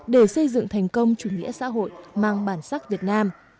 để xây dựng thành công chủ nghĩa xã hội mang bản sắc việt nam